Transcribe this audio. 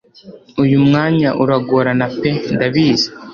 uyu mwanya uragorana pe ndabizi